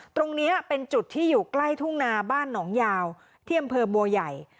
ตรงนี้เป็นจุดที่อยู่ใกล้ทุ่งนาบ้านหนองยาวที่อำเภอบัวใหญ่